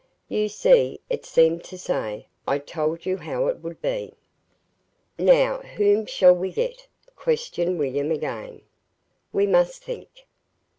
"You see," it seemed to say. "I told you how it would be!" "Now whom shall we get?" questioned William again. "We must think."